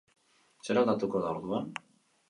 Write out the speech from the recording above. Zer aldatuko da orduan?